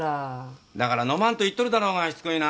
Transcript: だから飲まんと言っとるだろうがしつこいな。